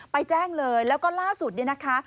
แจ้งเลยแล้วก็ล่าสุดเนี่ยนะคะ